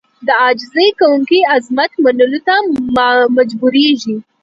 د عاجزي کوونکي عظمت منلو ته مجبورېږي.